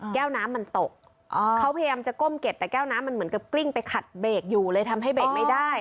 แก้วน้ำมันตกเขาพยายามจะก้มเก็บแต่แก้วน้ำมันเหมือนกับกลิ้งไปขัดเบรกอยู่เลยทำให้เบรกไม่ได้